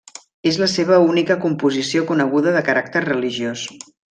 És la seva única composició coneguda de caràcter religiós.